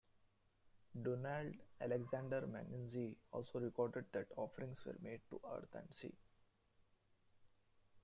Donald Alexander Mackenzie also recorded that offerings were made "to earth and sea".